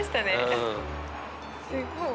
すごい。